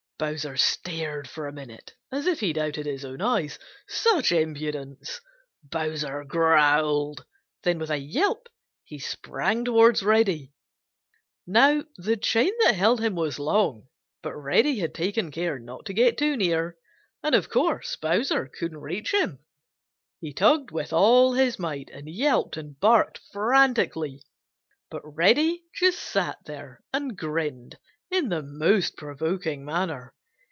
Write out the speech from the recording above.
Bowser stared for a minute as if he doubted his own eyes. Such impudence! Bowser growled. Then with a yelp he sprang towards Reddy. Now the chain that held him was long, but Reddy had taken care not to get too near, and of course Bowser couldn't reach him. He tugged with all his might and yelped and barked frantically, but Reddy just sat there and grinned in the most provoking manner.